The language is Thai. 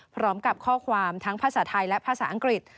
พร้อมกับข้อความทั้งภาษาไทยและภาษาอังกฤษ